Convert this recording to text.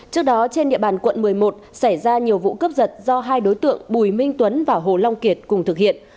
trước đó trên địa bàn quận một mươi một xảy ra nhiều vụ cướp giật do hai đối tượng bùi minh tuấn và hồ long kiệt cùng thực hiện